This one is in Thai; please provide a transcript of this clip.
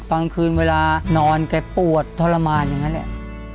กลางคืนเวลานอนแกปวดทรมานอย่างนั้นแหละ